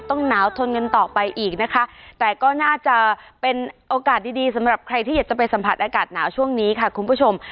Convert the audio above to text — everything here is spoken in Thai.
ต้องหนาวทนกันต่อไปอีกนะคะแต่ก็น่าจะเป็นโอกาสดีดีสำหรับใครที่อยากจะไปสัมผัสอากาศหนาวช่วงนี้ค่ะคุณผู้ชม